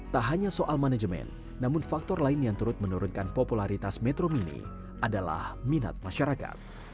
tak hanya soal manajemen namun faktor lain yang turut menurunkan popularitas metro mini adalah minat masyarakat